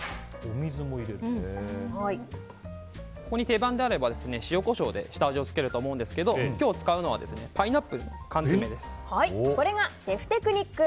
ここに定番であれば塩、コショウで下味をつけると思うんですけど今日使うのはこれがシェフテクニック。